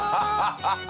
ハハハハ！